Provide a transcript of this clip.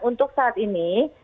untuk saat ini